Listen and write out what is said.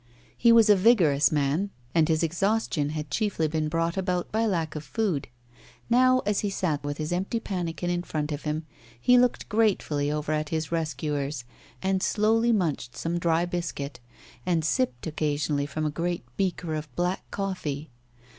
He was a vigorous man, and his exhaustion had chiefly been brought about by lack of food. Now, as he sat with his empty pannikin in front of him, he looked gratefully over at his rescuers, and slowly munched some dry biscuit, and sipped occasionally from a great beaker of black coffee.